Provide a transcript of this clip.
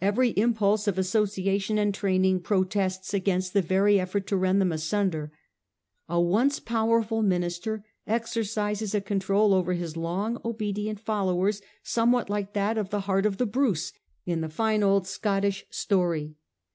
Every impulse of association and training protests against the very effort to rend them asunder. A once powerful minister exercises a con trol over his long obedient followers somewhat like that of the heart of the Bruce in the fine old Scottish story.